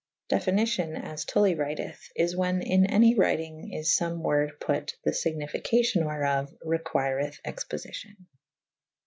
Definiciow (as Tully wryteth) is wha« in any wrytynge is fome worde put / the fignificaciow wherof req«/reth expoficiow.